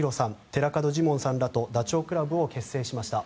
寺門ジモンさんらとダチョウ倶楽部を結成しました。